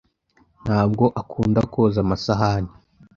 ntabwo akunda koza amasahani.